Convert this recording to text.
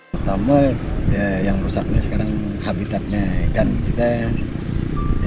pertama yang rusaknya sekarang habitatnya ikan kita